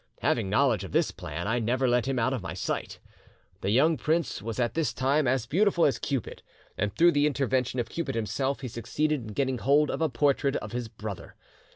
Having knowledge of his plan, I never let him out of my sight. "'The young prince was at this time as beautiful as Cupid, and through the intervention of Cupid himself he succeeded in getting hold of a portrait of his brother.